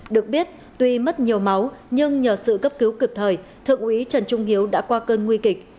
được biết tuy mất nhiều máu nhưng nhờ sự cấp cứu cực thời thượng úy trần trung hiếu đã qua cơn nguy kịch